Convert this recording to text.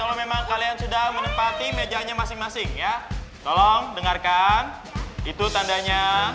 kalau memang kalian sudah menempati mejanya masing masing ya tolong dengarkan itu tandanya